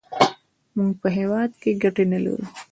موږ په هېواد کې ګټې نه لرو.